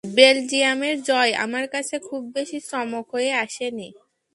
বেলজিয়ামের জয় আমার কাছে খুব বেশি চমক হয়ে আসেনি।